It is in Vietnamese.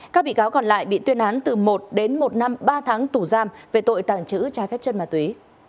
các bị cáo còn lại bị tuyên án từ một đến một năm ba tháng tù giam về tội tàng trữ trái phép chất ma túy